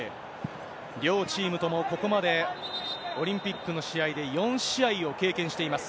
両チームとも、ここまでオリンピックの試合で４試合を経験しています。